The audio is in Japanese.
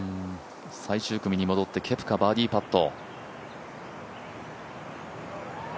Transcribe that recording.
最終組に戻ってケプカ、バーディーパット。